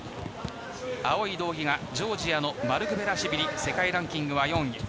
青い道着がジョージアのマルクベラシュビリ世界ランキング４位。